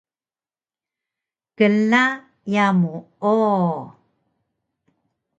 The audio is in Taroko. Kla yamu o!